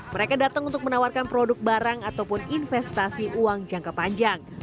mereka datang untuk menawarkan produk barang ataupun investasi uang jangka panjang